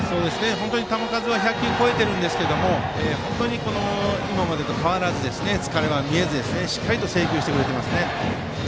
球数は１００球を超えているんですが今までと変わらず、疲れは見えずしっかりと制球してくれています。